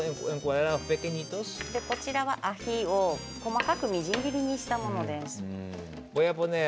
こちらはアヒを細かくみじん切りにしたものです。